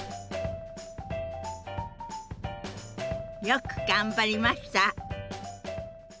よく頑張りました！